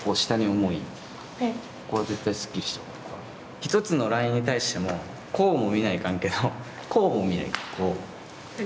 一つのラインに対してもこうも見ないかんけどこうも見ないかん。